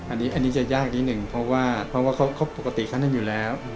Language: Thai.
อันนี้จะยากนิดหนึ่งเพราะว่าเขาปกติเขาทำอยู่แล้ว